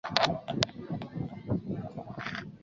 事后有发行影音光碟。